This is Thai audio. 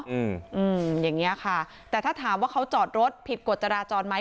อืมอืมอย่างเงี้ยค่ะแต่ถ้าถามว่าเขาจอดรถผิดกฎจราจรไหม